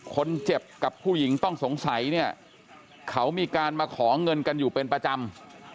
คนเจ็บกับผู้หญิงต้องสงสัยเนี่ยเขามีการมาขอเงินกันอยู่เป็นประจำ